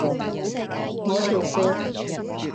我條褲